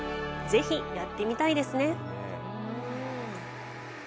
ぜひ、やってみたいですね！